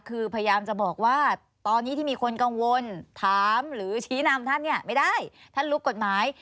คือพยายามจะบอกว่าตอนนี้ที่มีคนกังวลถามหรือชี้นำท่านเนี่ยไม่ได้ท่านลุกกฎหมาย